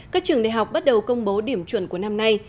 các trường đại học bắt đầu công bố điểm chuẩn của năm nay